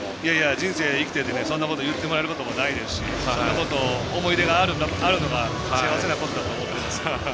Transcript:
人生、生きててそんなこと言ってもらえることないですし思い出があるのが幸せなことだと思います。